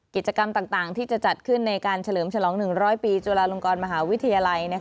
กิจกรรมต่างที่จะจัดขึ้นในการเฉลิมฉลอง๑๐๐ปีจุฬาลงกรมหาวิทยาลัย